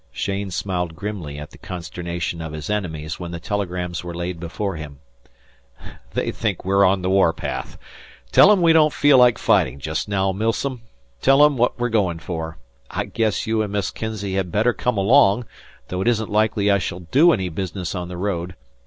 Cheyne smiled grimly at the consternation of his enemies when the telegrams were laid before him. "They think we're on the warpath. Tell 'em we don't feel like fighting just now, Milsom. Tell 'em what we're going for. I guess you and Miss Kinsey had better come along, though it isn't likely I shall do any business on the road.